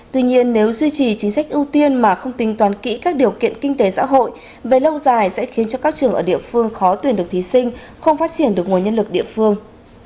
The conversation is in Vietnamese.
tuy nhiên nếu duy trì chính sách ưu tiên mà không tính toán kỹ các điều kiện kinh tế xã hội về lâu dài sẽ khiến cho các trường ở địa phương khó tuyển được thí sinh không phát triển được nguồn nhân lực địa phương